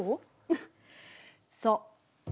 そう。